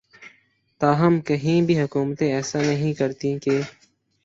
تاہم کہیں بھی حکومتیں ایسا نہیں کرتیں کہ